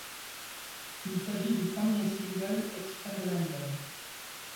Il s'agit du premier single extrait de l'album.